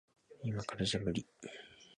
いまからじゃ無理。